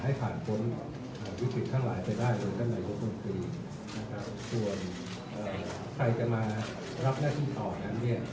ให้ผ่านพร้อมวิผิดทั้งหลายไปได้ตรงในยุครมฤนตรี